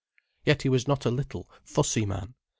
Yet he was not a little, fussy man.